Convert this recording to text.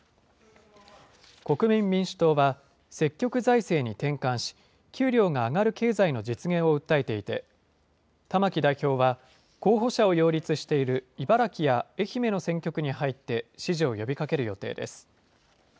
国民民主党は、積極財政に転換し、給料が上がる経済の実現を訴えていて、玉木代表は、候補者を擁立している茨城や愛媛の選挙区に入って、支持を呼びかける予定です。